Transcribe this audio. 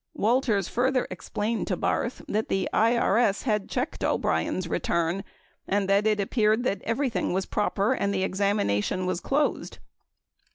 Walters further explained to Barth that the IBS had checked O'Brien's return and that it appeared that every thing was proper and the examination was closed.